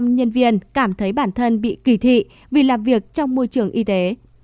năm mươi ba sáu nhân viên cảm thấy bản thân bị kỳ thị vì làm việc trong môi trường y tế